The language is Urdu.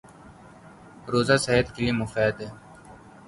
روزہ صحت کے لیے مفید ہے